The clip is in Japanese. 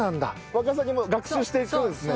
ワカサギも学習していくんですね。